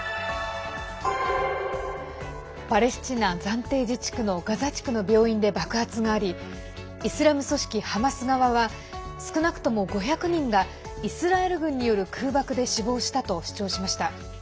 パレスチナ暫定自治区のガザ地区の病院で爆発がありイスラム組織ハマス側は少なくとも５００人がイスラエル軍による空爆で死亡したと主張しました。